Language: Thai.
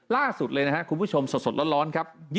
ล่าสุดเลยนะครับคุณผู้ชมสดร้อนครับ